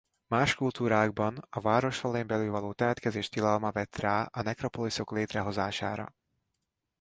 Más kultúrákban a város falain belül való temetkezés tilalma vett rá a nekropoliszok létrehozására.